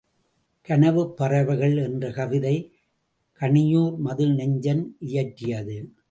கனவுப் பறவைகள் என்ற கவிதை கணியூர் மது நெஞ்சன் இயற்றியது.